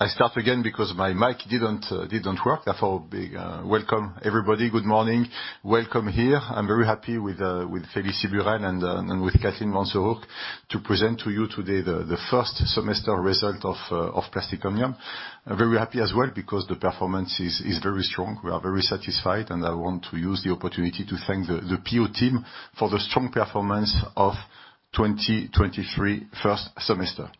I start again because my mic didn't work. Big welcome, everybody. Good morning. Welcome here. I'm very happy with Felicie Burelle and with Kathleen Wantz-O'Rourke to present to you today the first semester result of Plastic Omnium. I'm very happy as well because the performance is very strong. We are very satisfied, and I want to use the opportunity to thank the PO team for the strong performance of 2023 first semester.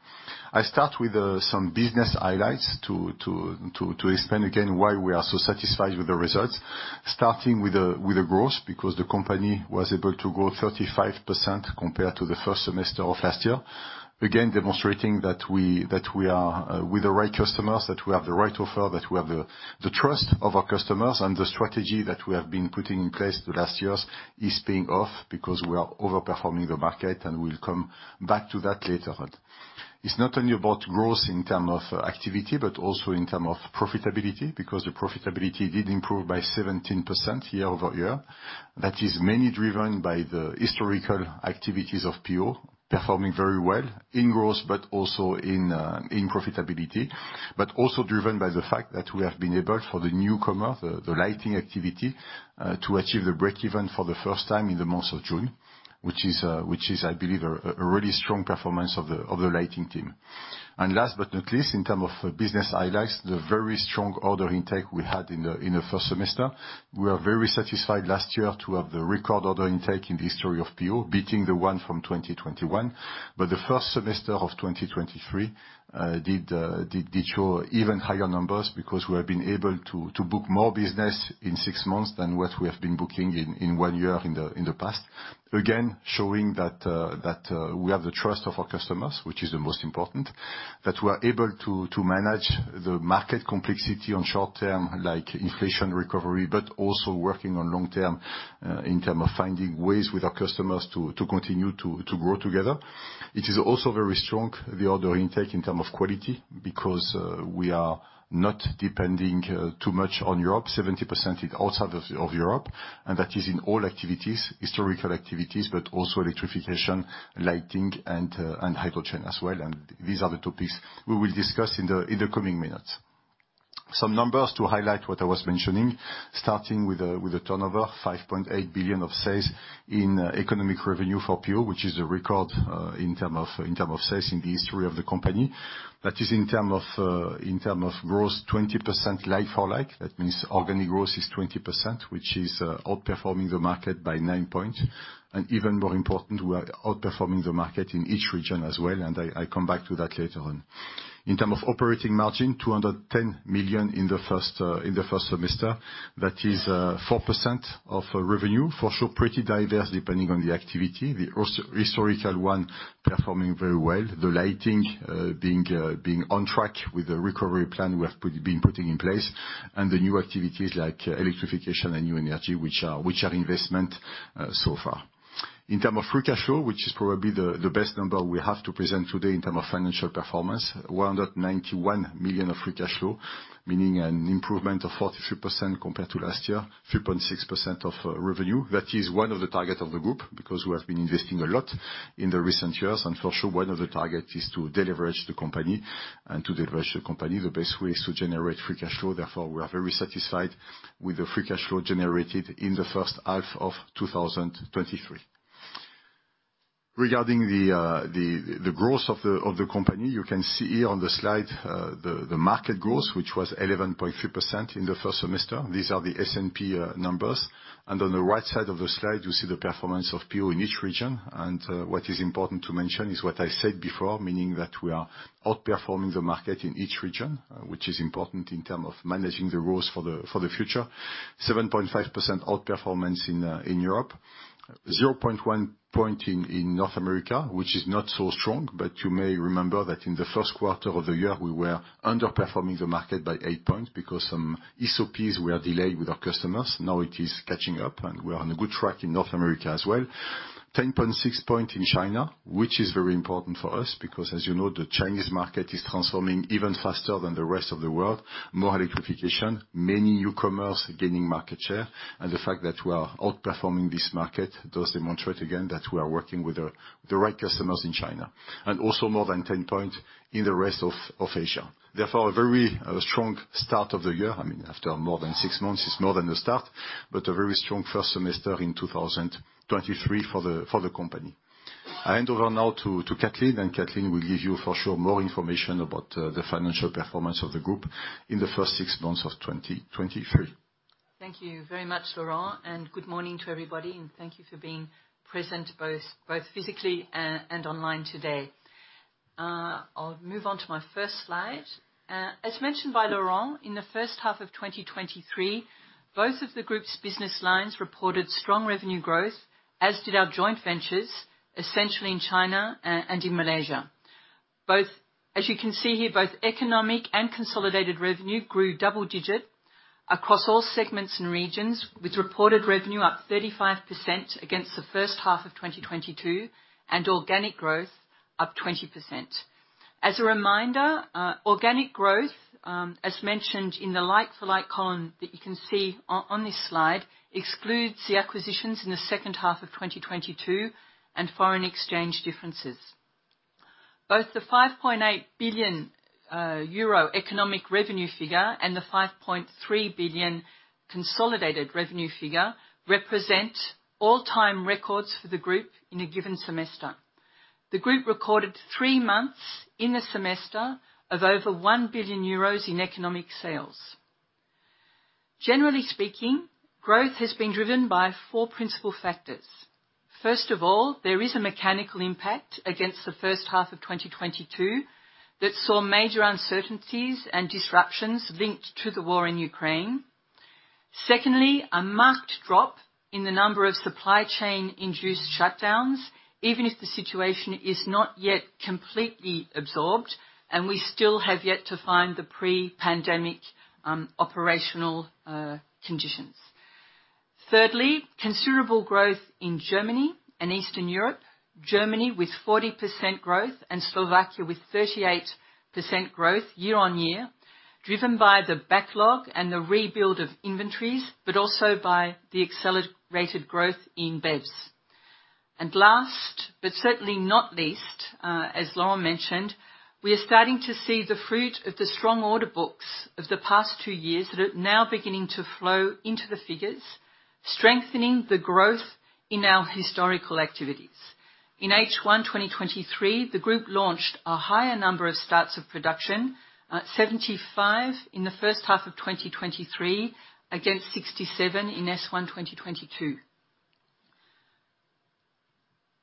I start with some business highlights to explain again why we are so satisfied with the results. Starting with the growth, because the company was able to grow 35% compared to the first semester of last year. Again, demonstrating that we are with the right customers, that we have the right offer, that we have the trust of our customers. The strategy that we have been putting in place the last years is paying off because we are overperforming the market. We'll come back to that later on. It's not only about growth in term of activity, but also in term of profitability, because the profitability did improve by 17% year-over-year. That is mainly driven by the historical activities of PO, performing very well in growth, but also in profitability. Also driven by the fact that we have been able, for the newcomer, the lighting activity, to achieve the break even for the first time in the month of June, which is, I believe, a really strong performance of the lighting team. Last but not least, in terms of business highlights, the very strong order intake we had in the first semester. We are very satisfied last year to have the record order intake in the history of PO, beating the one from 2021. The first semester of 2023 did show even higher numbers because we have been able to book more business in 6 months than what we have been booking in one year in the past. Again, showing that we have the trust of our customers, which is the most important. That we are able to manage the market complexity on short term, like inflation recovery, but also working on long term, in terms of finding ways with our customers to continue to grow together. It is also very strong, the order intake, in terms of quality, because we are not depending too much on Europe. 70% is outside of Europe, and that is in all activities, historical activities, but also electrification, lighting, and hydrogen as well, and these are the topics we will discuss in the coming minutes. Some numbers to highlight what I was mentioning, starting with the turnover, 5.8 billion of sales in economic revenue for PO, which is a record in terms of sales in the history of the company. That is in terms of growth, 20% like-for-like. That means organic growth is 20%, which is outperforming the market by 9 points. Even more important, we are outperforming the market in each region as well, and I come back to that later on. In terms of operating margin, 210 million in the first semester. That is 4% of revenue. For sure, pretty diverse, depending on the activity. The historical one, performing very well. The lighting being on track with the recovery plan we have been putting in place. The new activities like electrification and new energy, which are investment so far. In terms of free cash flow, which is probably the best number we have to present today in terms of financial performance, 191 million of free cash flow, meaning an improvement of 43% compared to last year, 3.6% of revenue. That is one of the targets of the group, because we have been investing a lot in the recent years. For sure, one of the targets is to deleverage the company. To deleverage the company, the best way is to generate free cash flow. Therefore, we are very satisfied with the free cash flow generated in the first half of 2023. Regarding the growth of the company, you can see on the slide the market growth, which was 11.3% in the first semester. These are the S&P numbers. On the right side of the slide, you see the performance of PO in each region. What is important to mention is what I said before, meaning that we are outperforming the market in each region, which is important in term of managing the growth for the future. 7.5% outperformance in Europe. 0.1 point in North America, which is not so strong, but you may remember that in the Q1 of the year, we were underperforming the market by 8 points because some SOPs were delayed with our customers. Now it is catching up, and we are on a good track in North America as well. 10.6% in China, which is very important for us, because, as you know, the Chinese market is transforming even faster than the rest of the world. More electrification, many newcomers gaining market share, the fact that we are outperforming this market does demonstrate again that we are working with the right customers in China. Also more than 10% in the rest of Asia. Therefore, a very strong start of the year. I mean, after more than six months, it's more than a start, but a very strong first semester in 2023 for the company. I hand over now to Kathleen, and Kathleen will give you, for sure, more information about the financial performance of the group in the first 6 months of 2023. Thank you very much, Laurent, and good morning to everybody, and thank you for being present, both physically and online today. I'll move on to my first slide. As mentioned by Laurent, in the first half of 2023, both of the group's business lines reported strong revenue growth, as did our joint ventures, essentially in China and in Malaysia. As you can see here, both economic and consolidated revenue grew double digit across all segments and regions, with reported revenue up 35% against the first half of 2022, and organic growth up 20%. As a reminder, organic growth, as mentioned in the like-for-like column that you can see on this slide, excludes the acquisitions in the second half of 2022 and foreign exchange differences. Both the 5.8 billion euro economic revenue figure and the 5.3 billion consolidated revenue figure represent all-time records for the group in a given semester. The group recorded three months in the semester of over 1 billion euros in economic sales. Generally speaking, growth has been driven by four principal factors. First of all, there is a mechanical impact against the first half of 2022, that saw major uncertainties and disruptions linked to the war in Ukraine. Secondly, a marked drop in the number of supply chain-induced shutdowns, even if the situation is not yet completely absorbed, and we still have yet to find the pre-pandemic operational conditions. Thirdly, considerable growth in Germany and Eastern Europe. Germany, with 40% growth, and Slovakia with 38% growth year-on-year, driven by the backlog and the rebuild of inventories, but also by the accelerated growth in BEVs. Last, but certainly not least, as Laurent mentioned, we are starting to see the fruit of the strong order books of the past two years that are now beginning to flow into the figures, strengthening the growth in our historical activities. In H1 2023, the group launched a higher number of starts of production, 75 in the first half of 2023, against 67 in S1 2022.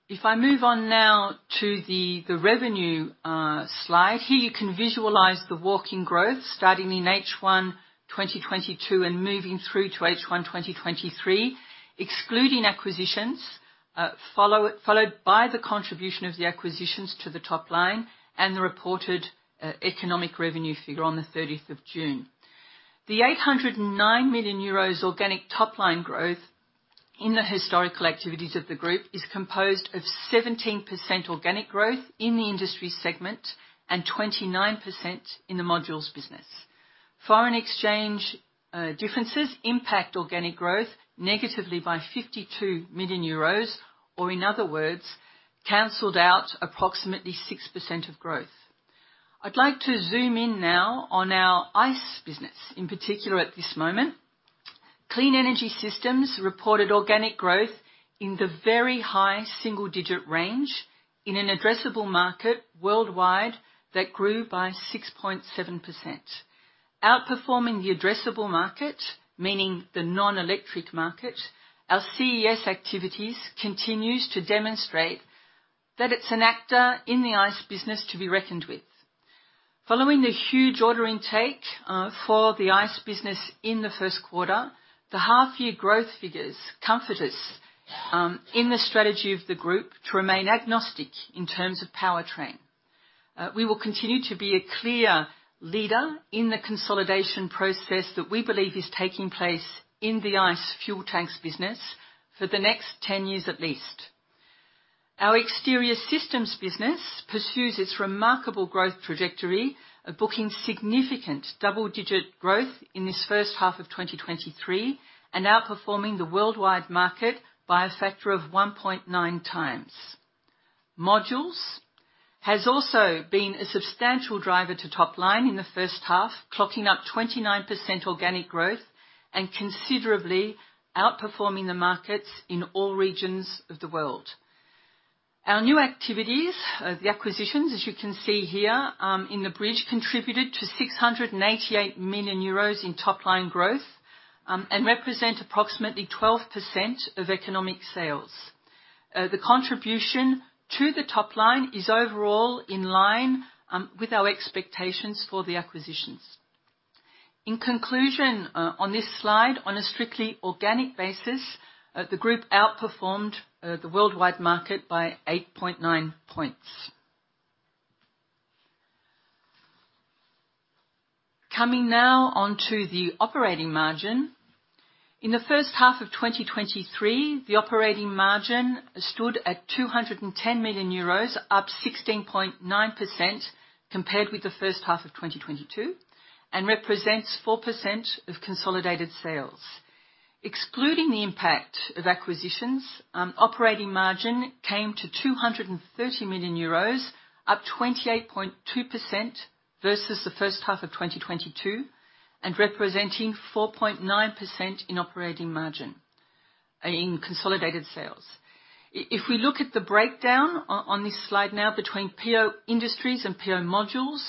If I move on now to the revenue slide, here you can visualize the walk-in growth starting in H1 2022 and moving through to H1 2023, excluding acquisitions, followed by the contribution of the acquisitions to the top line and the reported economic revenue figure on the 30th of June. The 809 million euros organic top-line growth in the historical activities of the group is composed of 17% organic growth in the industry segment and 29% in the modules business. Foreign exchange differences impact organic growth negatively by 52 million euros, or in other words, canceled out approximately 6% of growth. I'd like to zoom in now on our ICE business, in particular, at this moment. Clean Energy Systems reported organic growth in the very high single-digit range in an addressable market worldwide that grew by 6.7%. Outperforming the addressable market, meaning the non-electric market, our CES activities continues to demonstrate that it's an actor in the ICE business to be reckoned with. Following the huge order intake for the ICE business in the Q1, the half year growth figures comfort us in the strategy of the group to remain agnostic in terms of powertrain. We will continue to be a clear leader in the consolidation process that we believe is taking place in the ICE fuel tanks business for the next 10 years at least. Our exterior systems business pursues its remarkable growth trajectory of booking significant double-digit growth in this first half of 2023 and outperforming the worldwide market by a factor of 1.9 times. Modules has also been a substantial driver to top line in the first half, clocking up 29% organic growth and considerably outperforming the markets in all regions of the world. Our new activities, the acquisitions, as you can see here, in the bridge, contributed to 688 million euros in top-line growth, and represent approximately 12% of economic sales. The contribution to the top line is overall in line with our expectations for the acquisitions. In conclusion, on this slide, on a strictly organic basis, the group outperformed the worldwide market by 8.9 points. Coming now on to the operating margin. In the first half of 2023, the operating margin stood at 210 million euros, up 16.9% compared with the first half of 2022, represents 4% of consolidated sales. Excluding the impact of acquisitions, operating margin came to 230 million euros, up 28.2% versus the first half of 2022, representing 4.9% in operating margin, in consolidated sales. If we look at the breakdown on this slide now between OP Industries and OP Modules,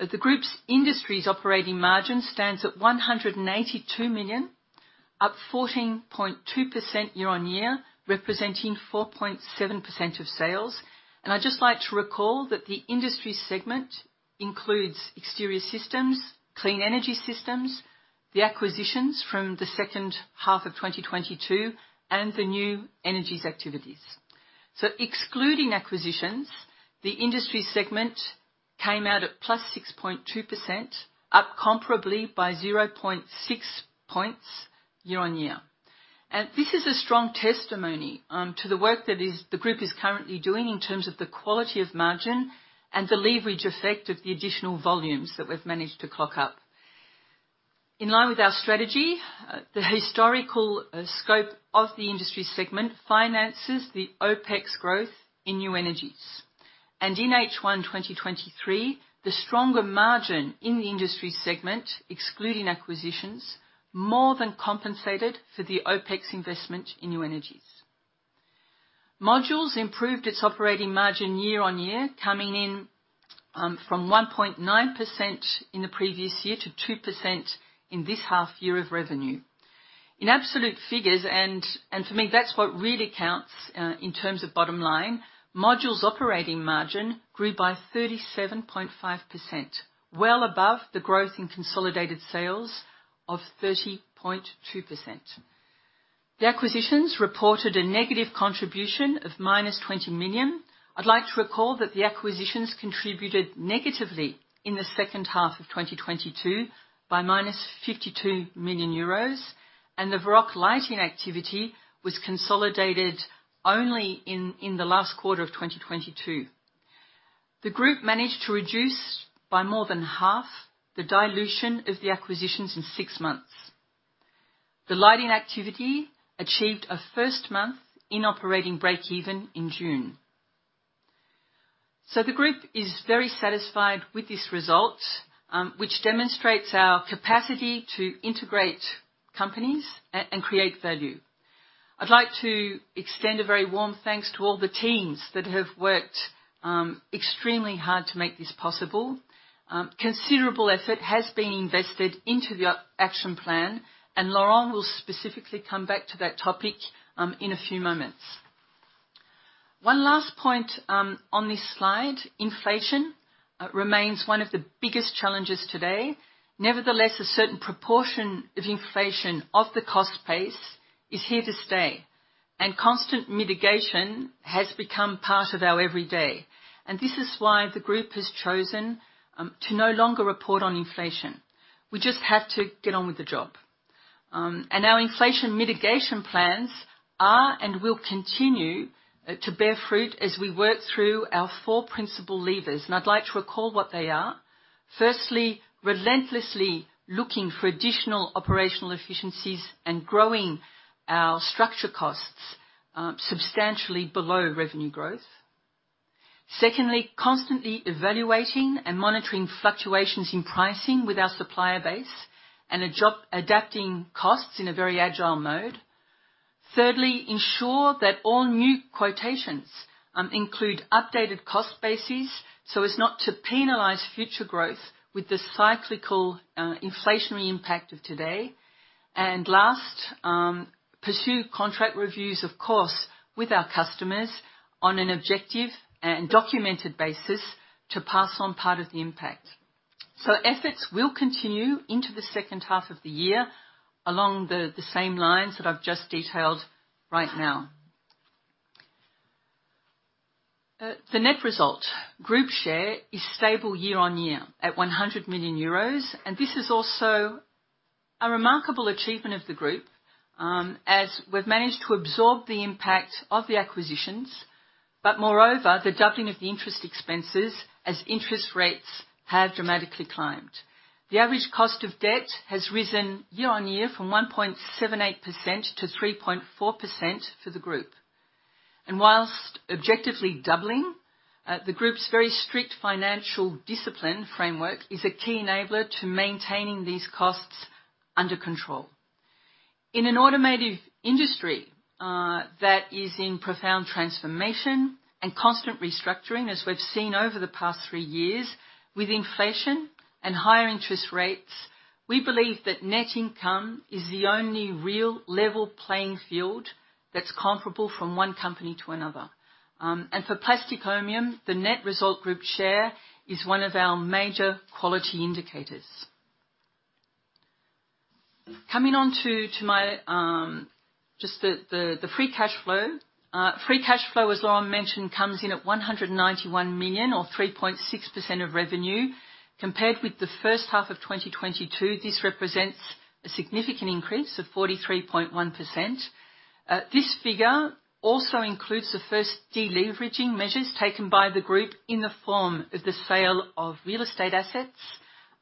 the group's Industries operating margin stands at 182 million, up 14.2% year-on-year, representing 4.7% of sales. I'd just like to recall that the Industries segment includes exterior systems, clean energy systems, the acquisitions from the second half of 2022, and the new energies activities. Excluding acquisitions, the Industries segment came out at +6.2%, up comparably by 0.6 points year-on-year. This is a strong testimony to the work that the group is currently doing in terms of the quality of margin and the leverage effect of the additional volumes that we've managed to clock up. In line with our strategy, the historical scope of the Industries segment finances the OpEx growth in new energies. In H1, 2023, the stronger margin in the Industries segment, excluding acquisitions, more than compensated for the OpEx investment in new energies. Modules improved its operating margin year-over-year, coming in from 1.9% in the previous year to 2% in this half year of revenue. In absolute figures, and to me, that's what really counts, in terms of bottom line, modules operating margin grew by 37.5%, well above the growth in consolidated sales of 30.2%. The acquisitions reported a negative contribution of minus 20 million. I'd like to recall that the acquisitions contributed negatively in the second half of 2022 by minus 52 million euros, and the Varroc lighting activity was consolidated only in the last quarter of 2022. The group managed to reduce by more than half the dilution of the acquisitions in 6 months. The lighting activity achieved a first month in operating breakeven in June. The group is very satisfied with this result, which demonstrates our capacity to integrate companies and create value. I'd like to extend a very warm thanks to all the teams that have worked extremely hard to make this possible. Considerable effort has been invested into the action plan, and Laurent will specifically come back to that topic in a few moments. One last point on this slide: inflation remains one of the biggest challenges today. Nevertheless, a certain proportion of inflation of the cost base is here to stay, and constant mitigation has become part of our every day. This is why the group has chosen to no longer report on inflation. We just have to get on with the job. Our inflation mitigation plans are and will continue to bear fruit as we work through our four principal levers, and I'd like to recall what they are. Firstly, relentlessly looking for additional operational efficiencies and growing our structure costs substantially below revenue growth. Secondly, constantly evaluating and monitoring fluctuations in pricing with our supplier base and adapting costs in a very agile mode. Thirdly, ensure that all new quotations include updated cost bases, so as not to penalize future growth with the cyclical inflationary impact of today. Last, pursue contract reviews, of course, with our customers on an objective and documented basis to pass on part of the impact. Efforts will continue into the second half of the year along the same lines that I've just detailed right now. The net result, group share is stable year on year at 100 million euros. This is also a remarkable achievement of the group, as we've managed to absorb the impact of the acquisitions, but moreover, the doubling of the interest expenses as interest rates have dramatically climbed. The average cost of debt has risen year on year from 1.78% to 3.4% for the group. Whilst objectively doubling, the group's very strict financial discipline framework is a key enabler to maintaining these costs under control. In an automotive industry that is in profound transformation and constant restructuring, as we've seen over the past three years, with inflation and higher interest rates, we believe that net income is the only real level playing field that's comparable from one company to another. For Plastic Omnium, the net result group share is one of our major quality indicators. Coming on to just the free cash flow. Free cash flow, as Laurent mentioned, comes in at 191 million or 3.6% of revenue. Compared with the first half of 2022, this represents a significant increase of 43.1%. This figure also includes the first deleveraging measures taken by the group in the form of the sale of real estate assets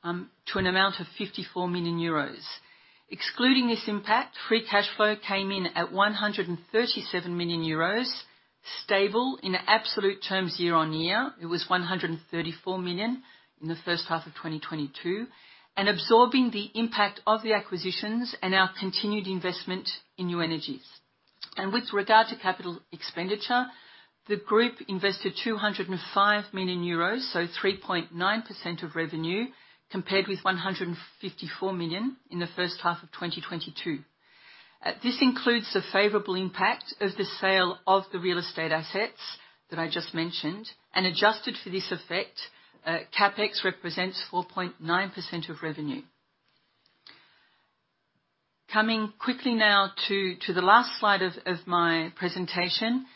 to an amount of 54 million euros. Excluding this impact, free cash flow came in at 137 million euros, stable in absolute terms year-on-year. It was 134 million in the first half of 2022, absorbing the impact of the acquisitions and our continued investment in new energies. With regard to capital expenditure, the group invested 205 million euros, so 3.9% of revenue, compared with 154 million in the first half of 2022. This includes the favorable impact of the sale of the real estate assets that I just mentioned, adjusted for this effect, CapEx represents 4.9% of revenue. Coming quickly now to the last slide of my presentation.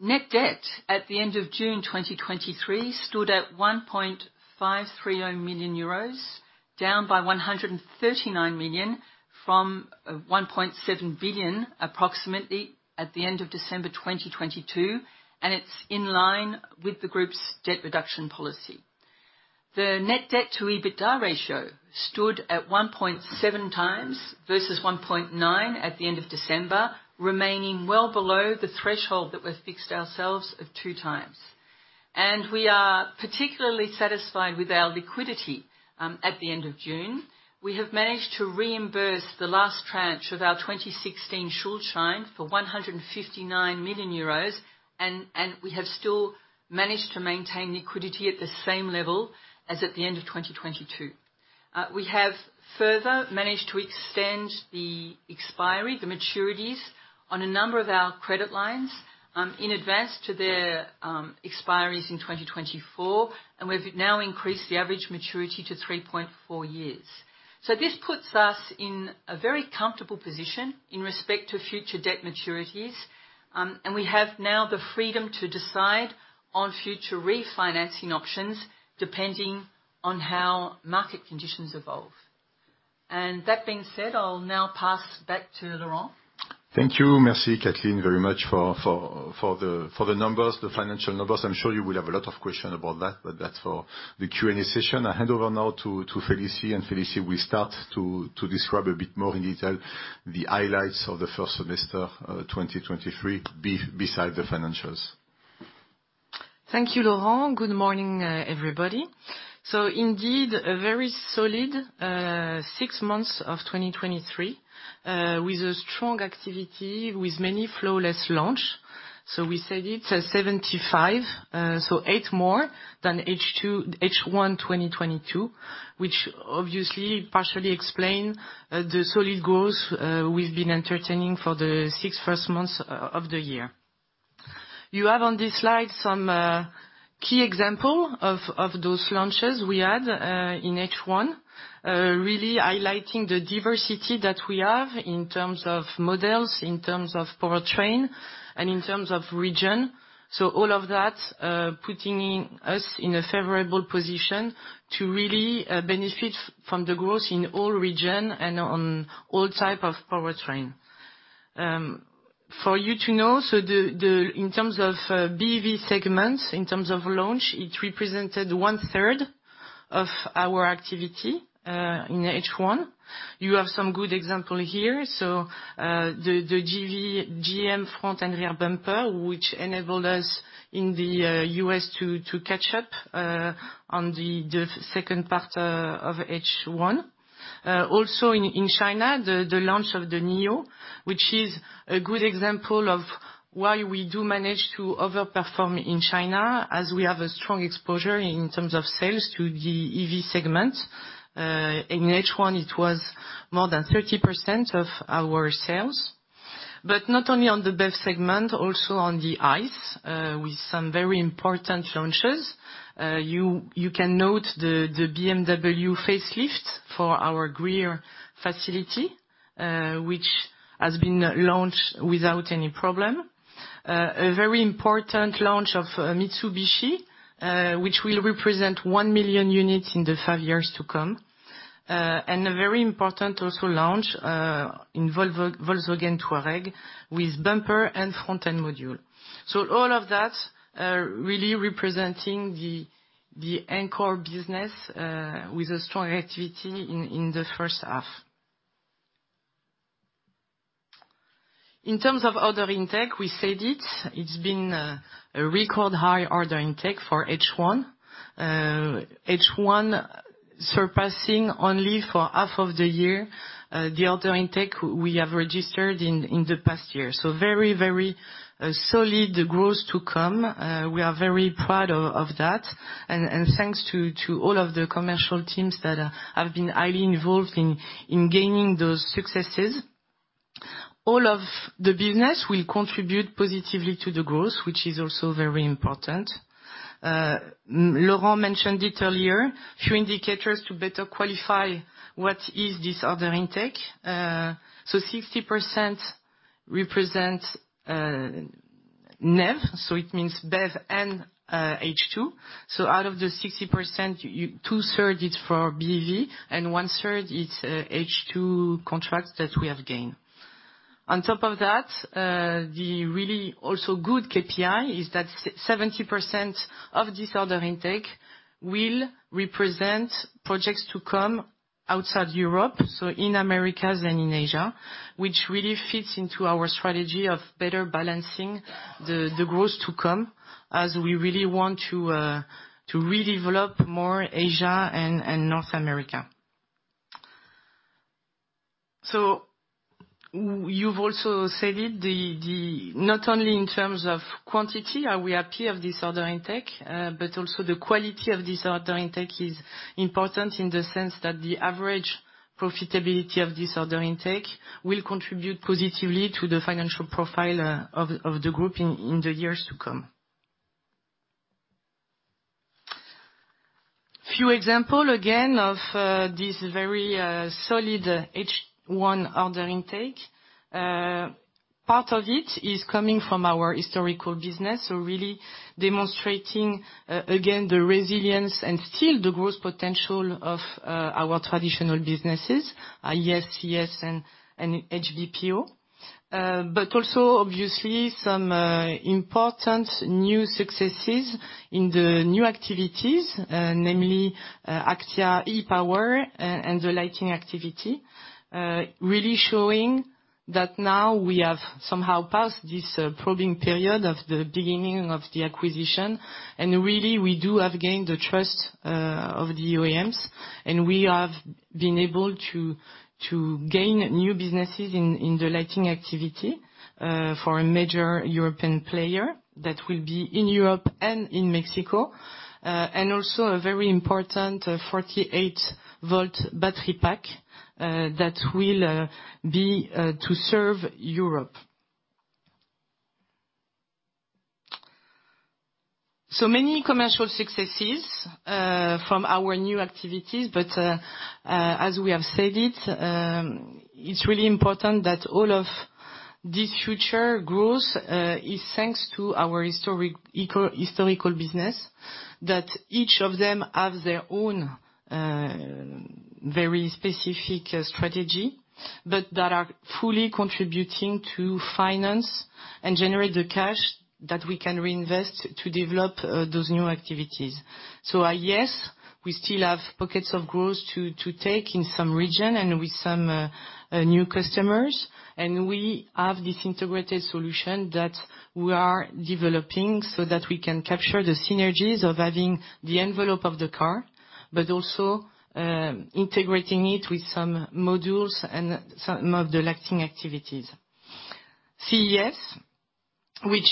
Net debt at the end of June 2023, stood at 1.530 million euros, down by 139 million from 1.7 billion, approximately, at the end of December 2022. It's in line with the group's debt reduction policy. The net debt to EBITDA ratio stood at 1.7 times, versus 1.9 at the end of December, remaining well below the threshold that we've fixed ourselves of 2 times. We are particularly satisfied with our liquidity at the end of June. We have managed to reimburse the last tranche of our 2016 Schuldschein for 159 million euros, and we have still managed to maintain liquidity at the same level as at the end of 2022. We have further managed to extend the expiry, the maturities, on a number of our credit lines, in advance to their expiries in 2024. We've now increased the average maturity to 3.4 years. This puts us in a very comfortable position in respect to future debt maturities. We have now the freedom to decide on future refinancing options, depending on how market conditions evolve. That being said, I'll now pass back to Laurent. Thank you. Merci, Kathleen, very much for the numbers, the financial numbers. I'm sure you will have a lot of question about that, but that's for the Q&A session. I hand over now to Felicie, and Felicie will start to describe a bit more in detail the highlights of the first semester 2023 beside the financials. Thank you, Laurent. Good morning, everybody. Indeed, a very solid 6 months of 2023, with a strong activity, with many flawless launch. We said it, 75, so 8 more than H1 2022, which obviously partially explain the solid growth we've been entertaining for the 6 first months of the year. You have on this slide some key example of those launches we had in H1, really highlighting the diversity that we have in terms of models, in terms of powertrain, and in terms of region. All of that, putting us in a favorable position to really benefit from the growth in all region and on all type of powertrain. For you to know, in terms of BEV segments, in terms of launch, it represented one third of our activity in H1. You have some good example here. GM front and rear bumper, which enabled us in the U.S. to catch up on the second part of H1. Also in China, the launch of the NIO, which is a good example of why we do manage to overperform in China, as we have a strong exposure in terms of sales to the EV segment. In H1, it was more than 30% of our sales. Not only on the BEV segment, also on the ICE, with some very important launches. You can note the BMW facelift for our Greer facility, which has been launched without any problem. A very important launch of Mitsubishi, which will represent 1 million units in the 5 years to come. A very important also launch in Volvo, Volkswagen Touareg, with bumper and front-end module. All of that really representing the anchor business with a strong activity in the first half. In terms of order intake, we said it's been a record high order intake for H1. H1 surpassing only for half of the year, the order intake we have registered in the past year. Very solid growth to come. We are very proud of that, and thanks to all of the commercial teams that have been highly involved in gaining those successes. All of the business will contribute positively to the growth, which is also very important. Laurent mentioned it earlier, a few indicators to better qualify what is this order intake. 60% represent NEV, so it means BEV and H2. So out of the 60%, 2/3 is for BEV, and 1/3 is H2 contracts that we have gained. On top of that, the really also good KPI is that 70% of this order intake will represent projects to come outside Europe, so in Americas and in Asia, which really fits into our strategy of better balancing the growth to come, as we really want to redevelop more Asia and North America. You've also said it, the Not only in terms of quantity are we happy of this order intake, but also the quality of this order intake is important in the sense that the average profitability of this order intake will contribute positively to the financial profile, of the group in the years to come. Few example, again, of this very solid H1 order intake. Part of it is coming from our historical business, so really demonstrating, again, the resilience and still the growth potential of our traditional businesses, AES, CES, and HBPO. But also, obviously, some important new successes in the new activities, namely, ACTIA Power and the lighting activity. Really showing that now we have somehow passed this probing period of the beginning of the acquisition, and really, we do have gained the trust of the OEMs, and we have been able to gain new businesses in the lighting activity for a major European player that will be in Europe and in Mexico. And also a very important 48-volt battery pack that will be to serve Europe. Many commercial successes from our new activities, but as we have said it's really important that all of this future growth is thanks to our historical business, that each of them have their own very specific strategy, but that are fully contributing to finance and generate the cash that we can reinvest to develop those new activities. At AES, we still have pockets of growth to take in some region and with some new customers, and we have this integrated solution that we are developing so that we can capture the synergies of having the envelope of the car, but also integrating it with some modules and some of the lighting activities. CES, which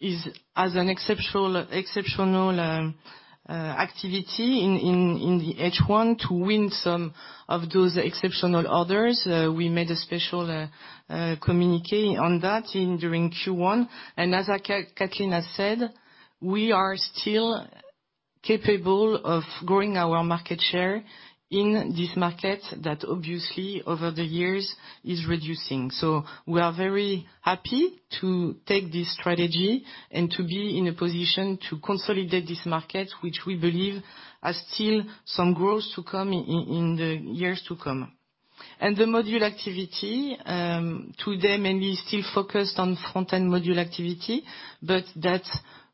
is as an exceptional activity in the H1 to win some of those exceptional others. We made a special communiqué on that in during Q1. As Kathleen has said, we are still capable of growing our market share in this market that obviously, over the years, is reducing. We are very happy to take this strategy and to be in a position to consolidate this market, which we believe has still some growth to come in the years to come. The module activity, today, mainly still focused on front-end module activity, but that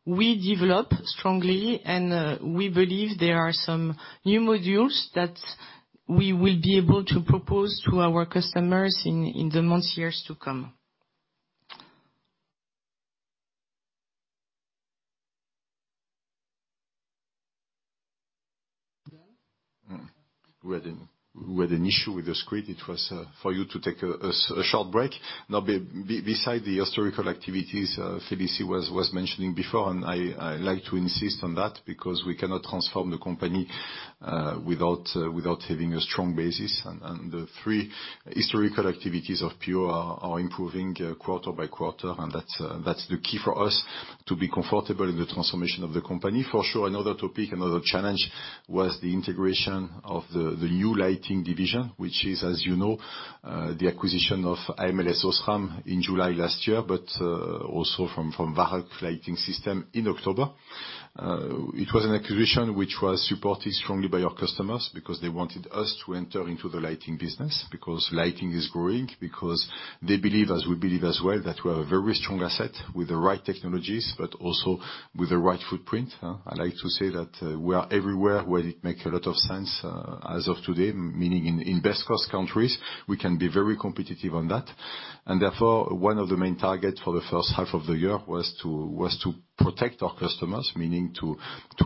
we develop strongly, and we believe there are some new modules that we will be able to propose to our customers in the months, years to come. We had an issue with the screen. It was for you to take a short break. Now, beside the historical activities, Phoebe C. was mentioning before, and I like to insist on that, because we cannot transform the company without having a strong basis. The three historical activities of Pure are improving quarter by quarter, and that's the key for us to be comfortable in the transformation of the company. For sure, another topic, another challenge was the integration of the new lighting division, which is, as you know, the acquisition of AMLS Osram in July last year, but also from Varroc Lighting Systems in October. It was an acquisition which was supported strongly by our customers because they wanted us to enter into the lighting business, because lighting is growing, because they believe, as we believe as well, that we are a very strong asset with the right technologies, but also with the right footprint, huh? I like to say that we are everywhere where it makes a lot of sense as of today, meaning in best cost countries, we can be very competitive on that. Therefore, one of the main target for the first half of the year was to protect our customers, meaning to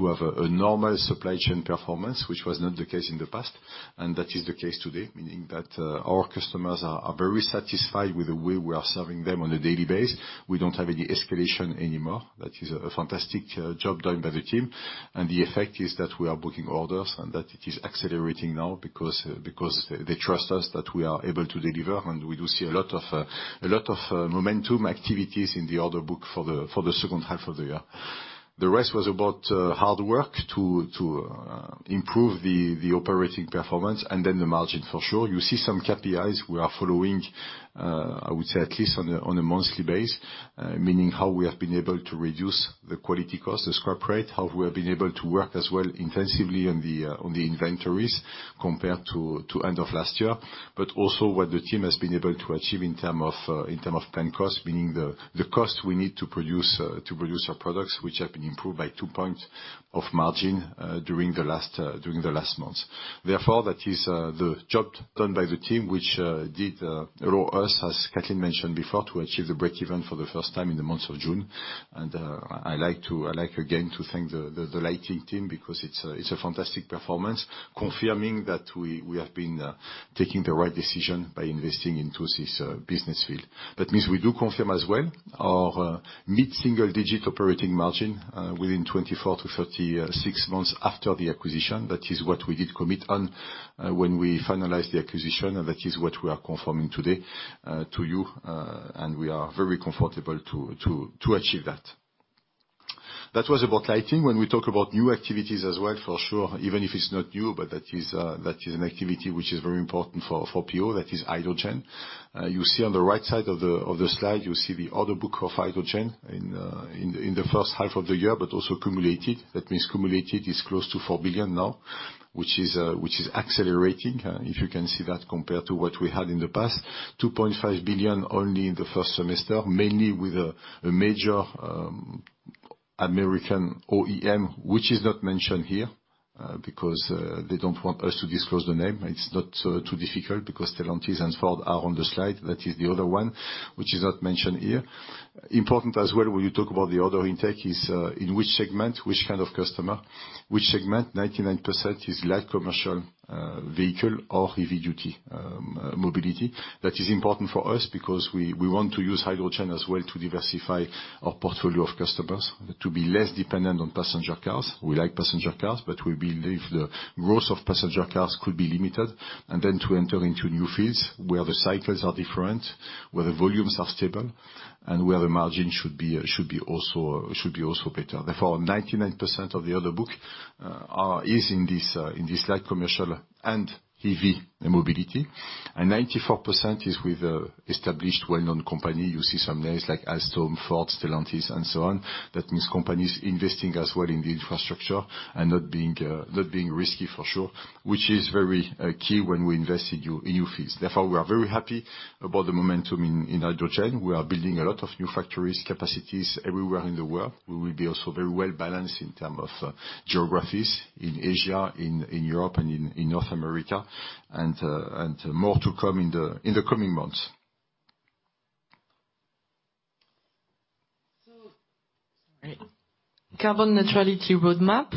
have a normal supply chain performance, which was not the case in the past, and that is the case today, meaning that our customers are very satisfied with the way we are serving them on a daily basis. We don't have any escalation anymore. That is a fantastic job done by the team. The effect is that we are booking orders and that it is accelerating now because they trust us that we are able to deliver. We do see a lot of momentum activities in the order book for the second half of the year. The rest was about hard work to improve the operating performance. The margin, for sure. You see some KPIs we are following, I would say at least on a, on a monthly base, meaning how we have been able to reduce the quality cost, the scrap rate, how we have been able to work as well intensively on the, on the inventories compared to end of last year, but also what the team has been able to achieve in term of, in term of plan cost, meaning the cost we need to produce, to produce our products, which have been improved by 2 points of margin, during the last, during the last months. Therefore, that is the job done by the team, which did allow us, as Kathleen mentioned before, to achieve the break even for the first time in the month of June. I like again to thank the lighting team, because it's a fantastic performance, confirming that we have been taking the right decision by investing into this business field. That means we do confirm as well our mid-single-digit operating margin within 24 to 36 months after the acquisition. That is what we did commit on when we finalized the acquisition, and that is what we are confirming today to you, and we are very comfortable to achieve that. That was about lighting. When we talk about new activities as well, for sure, even if it's not new, but that is an activity which is very important for PO, that is hydrogen. You see on the right side of the slide, you see the order book of hydrogen in the first half of the year, also cumulated. That means cumulated is close to 4 billion now, which is accelerating, if you can see that compared to what we had in the past. 2.5 billion only in the first semester, mainly with a major American OEM, which is not mentioned here, because they don't want us to disclose the name. It's not too difficult because Stellantis and Ford are on the slide. That is the other one, which is not mentioned here. Important as well, when you talk about the order intake, is in which segment, which kind of customer, which segment? 99% is light commercial vehicle or heavy-duty mobility. That is important for us because we want to use hydrogen as well to diversify our portfolio of customers, to be less dependent on passenger cars. We like passenger cars, we believe the growth of passenger cars could be limited, and then to enter into new fields where the cycles are different, where the volumes are stable, and where the margin should be also better. 99% of the order book is in this light commercial and heavy mobility, and 94% is with established, well-known company. You see some names like Alstom, Ford, Stellantis, and so on. Companies investing as well in the infrastructure and not being risky for sure, which is very key when we invest in new fields. We are very happy about the momentum in hydrogen. We are building a lot of new factories, capacities everywhere in the world. We will be also very well-balanced in term of geographies in Asia, in Europe, and in North America, and more to come in the coming months. Carbon neutrality roadmap,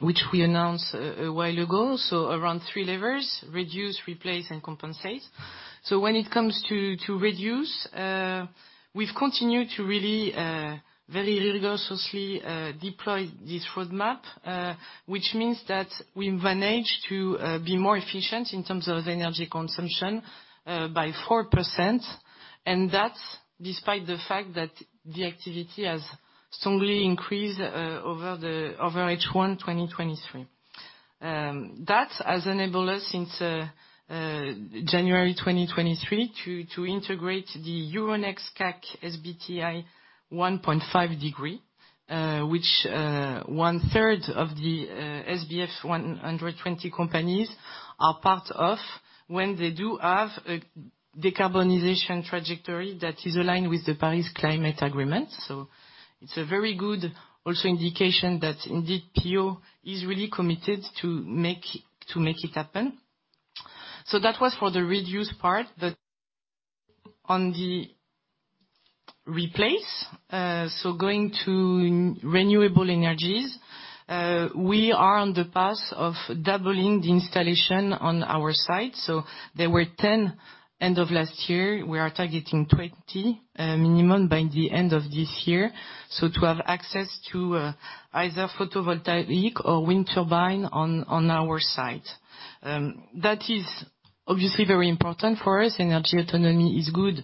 which we announced a while ago, around three levers: reduce, replace, and compensate. When it comes to reduce, we've continued to really very rigorously deploy this roadmap, which means that we manage to be more efficient in terms of energy consumption by 4%, and that's despite the fact that the activity has strongly increased over H1 2023. That has enabled us since January 2023 to integrate the Euronext CAC SBTI 1.5°, which 1/3 of the SBF 120 companies are part of when they do have a decarbonization trajectory that is aligned with the Paris Agreement. That was for the reduce part. On the replace, going to renewable energies, we are on the path of doubling the installation on our site. There were 10 end of last year. We are targeting 20 minimum by the end of this year. To have access to either photovoltaic or wind turbine on our site. That is obviously very important for us. Energy autonomy is good,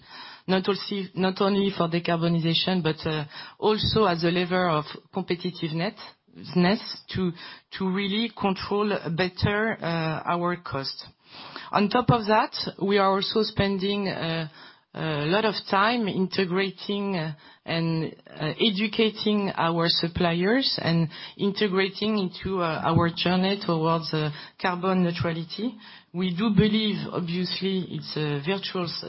not only for decarbonization, but also as a lever of competitiveness to really control better our cost. On top of that, we are also spending a lot of time integrating and educating our suppliers and integrating into our journey towards carbon neutrality. We do believe, obviously, it's a virtuous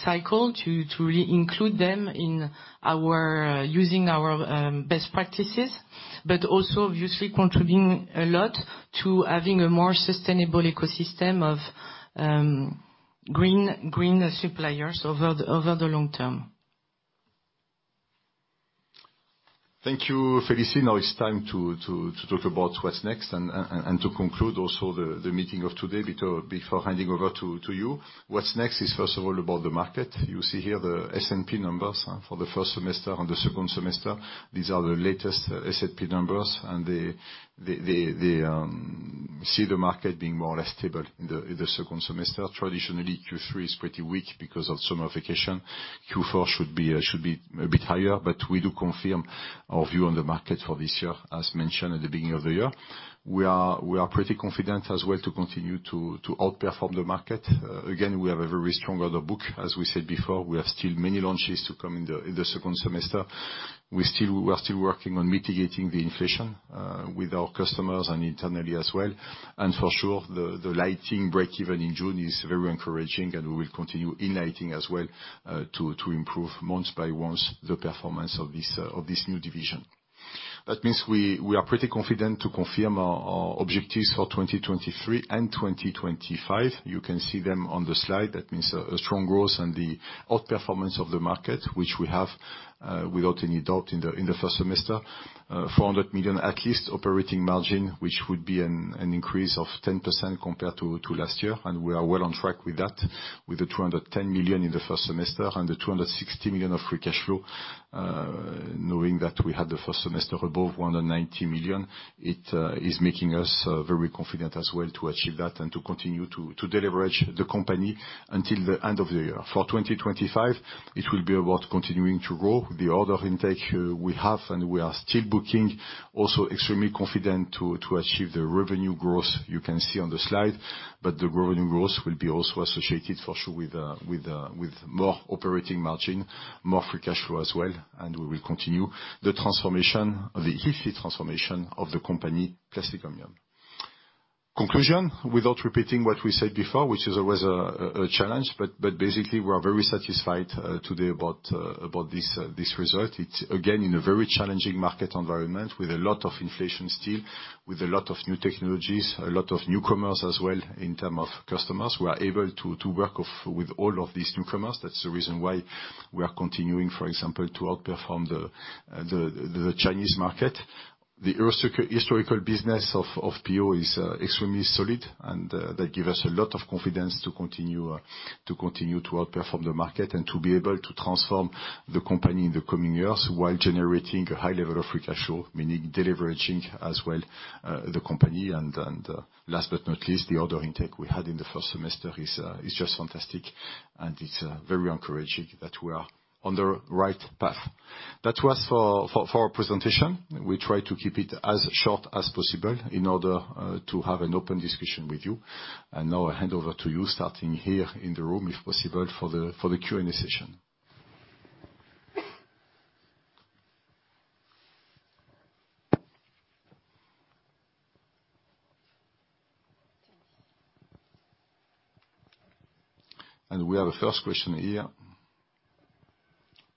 cycle to really include them in our... Using our best practices, but also obviously contributing a lot to having a more sustainable ecosystem of green suppliers over the long term. Thank you, Felicie. Now it's time to talk about what's next and to conclude also the meeting of today, before handing over to you. What's next is first of all about the market. You see here the S&P numbers for the first semester and the second semester. These are the latest S&P numbers, they see the market being more or less stable in the second semester. Traditionally, Q3 is pretty weak because of summer vacation. Q4 should be a bit higher, we do confirm our view on the market for this year, as mentioned at the beginning of the year. We are pretty confident as well to continue to outperform the market. Again, we have a very strong order book. As we said before, we have still many launches to come in the second semester. We are still working on mitigating the inflation with our customers and internally as well. For sure, the lighting breakeven in June is very encouraging, and we will continue in lighting as well, to improve month by month, the performance of this new division. That means we are pretty confident to confirm our objectives for 2023 and 2025. You can see them on the slide. That means a strong growth and the outperformance of the market, which we have without any doubt in the first semester. 400 million at least operating margin, which would be an increase of 10% compared to last year. We are well on track with that, with the 210 million in the first semester and the 260 million of free cash flow. Knowing that we had the first semester above 190 million, it is making us very confident as well to achieve that and to continue to deleverage the company until the end of the year. For 2025, it will be about continuing to grow the order intake we have. We are still booking. Also extremely confident to achieve the revenue growth you can see on the slide, but the revenue growth will be also associated for sure with more operating margin, more free cash flow as well, and we will continue the transformation, the effective transformation of the company, Plastic Omnium. Conclusion, without repeating what we said before, which is always a challenge, but basically, we are very satisfied today about this result. It's again, in a very challenging market environment, with a lot of inflation still, with a lot of new technologies, a lot of newcomers as well in term of customers. We are able to work with all of these newcomers. That's the reason why we are continuing, for example, to outperform the Chinese market. The historical business of PO is extremely solid, and that give us a lot of confidence to continue to outperform the market, and to be able to transform the company in the coming years, while generating a high level of free cash flow, meaning deleveraging as well, the company. Last but not least, the order intake we had in the first semester is just fantastic, and it's very encouraging that we are on the right path. That was for our presentation. We try to keep it as short as possible in order to have an open discussion with you. Now I hand over to you, starting here in the room, if possible, for the Q&A session. We have a first question here